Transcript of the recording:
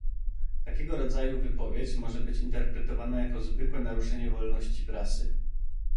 Takiego rodzaju wypowiedź może być interpretowana jako zwykle naruszenie wolności prasy